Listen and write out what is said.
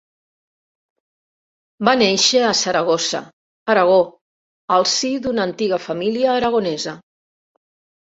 Va néixer a Zaragoza, Aragó, al si d'una antiga família aragonesa.